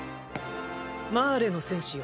マーレの戦士よ。